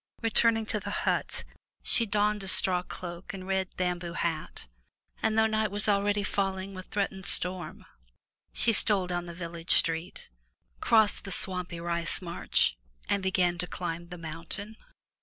Returning to the hut, she donned a straw cloak and red bamboo hat, and, though night was already falling with threatened storm, she stole down the village street, crossed the swampy rice marsh, and began to climb the mountain.